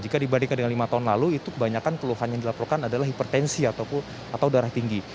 karena lima tahun lalu itu kebanyakan keluhan yang dilaporkan adalah hipertensi atau darah tinggi